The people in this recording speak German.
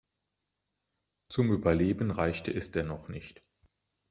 Zum Überleben reichte es dennoch nicht.